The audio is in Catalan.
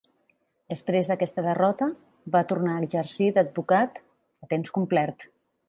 Després d'aquesta derrota, va tornar a exercir d'advocat a temps complet.